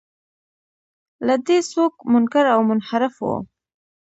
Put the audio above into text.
له دې څوک منکر او منحرف و.